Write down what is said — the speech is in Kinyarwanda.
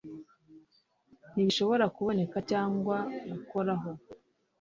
Nti bishobora kuboneka cyangwa gukoraho